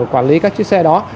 quản lý các chiếc xe đó